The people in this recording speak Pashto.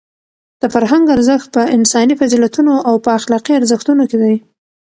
د فرهنګ ارزښت په انساني فضیلتونو او په اخلاقي ارزښتونو کې دی.